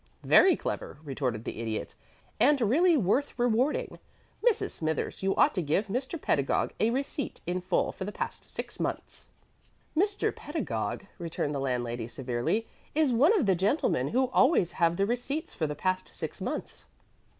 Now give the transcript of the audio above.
"Very clever," retorted the Idiot, "and really worth rewarding. Mrs. Smithers, you ought to give Mr. Pedagog a receipt in full for the past six months." "Mr. Pedagog," returned the landlady, severely, "is one of the gentlemen who always have their receipts for the past six months."